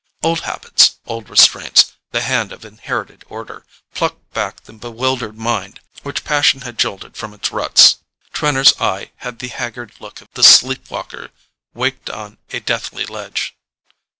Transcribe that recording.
Old habits, old restraints, the hand of inherited order, plucked back the bewildered mind which passion had jolted from its ruts. Trenor's eye had the haggard look of the sleep walker waked on a deathly ledge.